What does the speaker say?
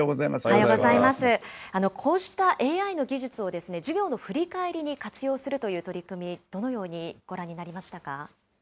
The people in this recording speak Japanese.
こうしたＡＩの技術を授業の振り返りに活用するという取り組み、どのようにご覧になりましたか。